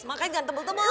makanya jangan tebel tebel